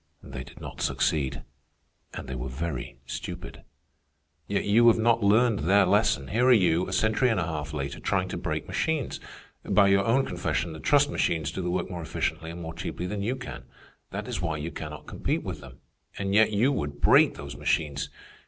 They did not succeed, and they were very stupid. "Yet you have not learned their lesson. Here are you, a century and a half later, trying to break machines. By your own confession the trust machines do the work more efficiently and more cheaply than you can. That is why you cannot compete with them. And yet you would break those machines.